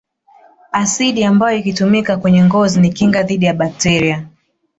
Asidi ambayo ikitumika kwenye ngozi ni kinga dhidi ya bakteria